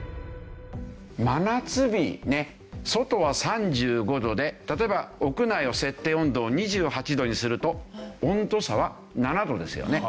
真夏日ね外は３５度で例えば屋内を設定温度を２８度にすると温度差は７度ですよね。